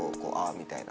みたいな。